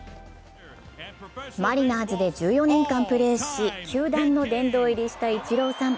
マリナーズで１４年間プレーし球団の殿堂入りしたイチローさん。